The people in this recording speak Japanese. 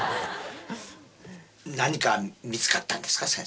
何か見つかったんですか？